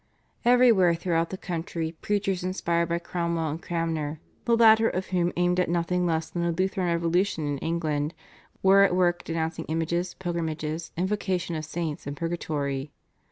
Everywhere throughout the country preachers inspired by Cromwell and Cranmer, the latter of whom aimed at nothing less than a Lutheran revolution in England, were at work denouncing images, pilgrimages, invocation of saints, and Purgatory.